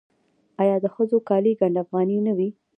آیا د ښځو کالي ګنډ افغاني نه وي؟